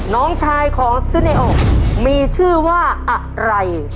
น้องชายของซึเนอมีชื่อว่าอะไร